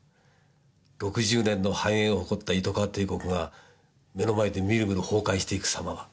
６０年の繁栄を誇った糸川帝国が目の前でみるみる崩壊していく様は。